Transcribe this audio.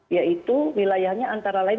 yaitu wilayahnya antara lain